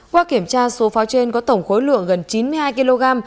qua kiểm tra số pháo trên có tổng khối lượng gần chín mươi hai kg